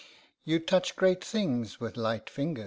you touch great things with light fingers.